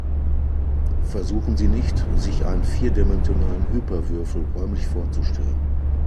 Versuchen Sie nicht, sich einen vierdimensionalen Hyperwürfel räumlich vorzustellen.